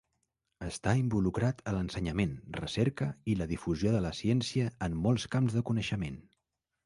Està involucrat a l'ensenyament, recerca i la difusió de la ciència en molts camps de coneixement.